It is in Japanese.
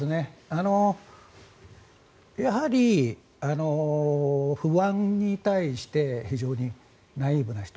やはり不安に対して非常にナイーブな人